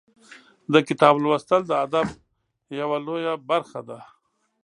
د کتاب لوستل د ادب یوه لویه برخه ده.